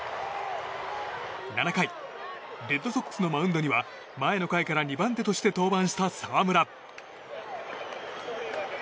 ７回、レッドソックスのマウンドには前の回から２番手として登板した澤村。